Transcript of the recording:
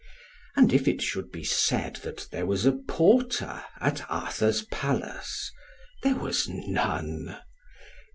And if it should be said that there was a porter at Arthur's palace, there was none.